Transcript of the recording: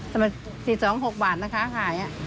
สำหรับ๔๒๖บาทนะคะขาย